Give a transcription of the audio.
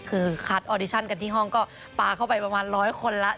คือคัดออดิชั่นกันที่ห้องก็ปลาเข้าไปประมาณร้อยคนแล้ว